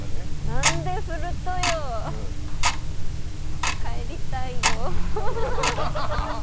なんで振るとよ帰りたいよ